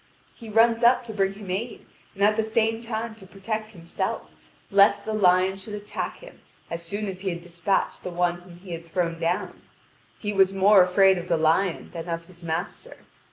He runs up to bring him aid, and at the same time to protect himself, lest the lion should attack him as soon as he had despatched the one whom he had thrown down; he was more afraid of the lion than of his master.